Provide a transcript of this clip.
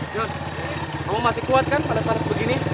jon kamu masih kuat kan pada taras begini